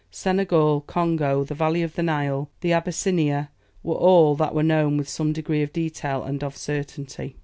Senegal, Congo, the valley of the Nile, and Abyssinia, were all that were known with some degree of detail and of certainty.